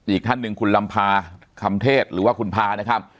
อีกท่านหนึ่งคุณลำพาคำเทศหรือว่าคุณพานะครับ